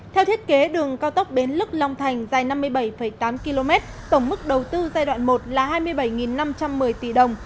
theo thiết kế đường cao tốc bến lức long thành dài năm mươi bảy tám km tổng mức đầu tư giai đoạn một là hai mươi bảy năm trăm một mươi tỷ đồng